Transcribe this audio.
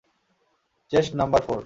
Chest number four!